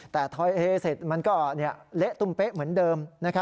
แต่ทะเฮ้มันก็เละตุ๋มเป๊ะเหมือนเดิมนะครับ